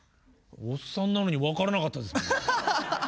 おっさんなのに分からなかったですもん。